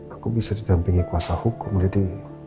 aku bisa didampingi kuasa hukum berarti